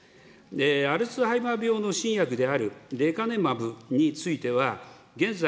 アルツハイマー病の新薬であるレカネマブについては、現在、